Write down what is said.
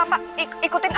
aku mau ke rumah